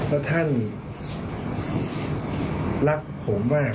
แล้วท่านรักผมมาก